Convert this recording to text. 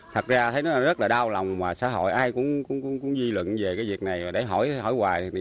thật ra thấy nó rất là đau lòng mà xã hội ai cũng di luận về cái việc này để hỏi hỏi hoài